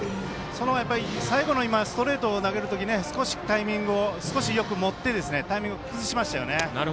最後の今、ストレートを投げる時少しタイミングを持ってタイミング崩しましたよね。